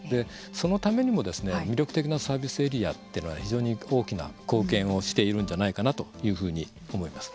そのためにも魅力的なサービスエリアというのは非常に大きな貢献をしているんじゃないかなというふうに思います。